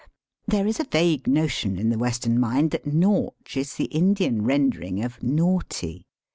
There is a vague notion in the Western mind that Nautch is the Indian rendering of naughty.